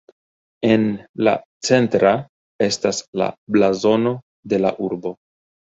En la centra estas la blazono de la urbo.